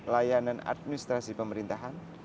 layanan administrasi pemerintahan